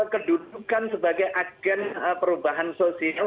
kedudukan sebagai agen perubahan sosial